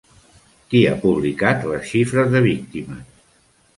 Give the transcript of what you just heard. Qui ha publicat les xifres de víctimes?